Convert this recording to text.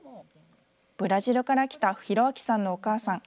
ブラジルから来た洋明さんのお母さん。